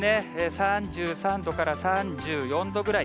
３３度から３４度ぐらい。